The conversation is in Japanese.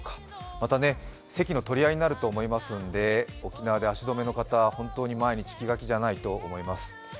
また席の取り合いになると思いますので沖縄で足止めの方、本当に毎日、気が気がじゃないと思います。